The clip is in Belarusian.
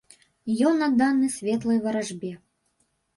Ён адданы светлай варажбе.